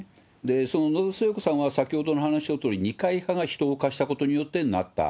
その野田聖子さんは、先ほどの話のとおり、二階派が人を動かしたことによってなった。